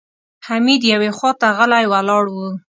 حميد يوې خواته غلی ولاړ و.